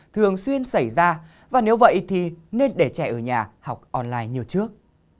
thường xuyên xảy ra và nếu vậy thì nên để trẻ ở nhà học online như trước